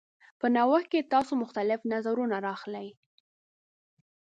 په نوښت کې تاسو مختلف نظرونه راخلئ.